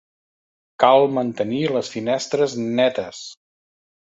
Cal mantenir les finestres netes.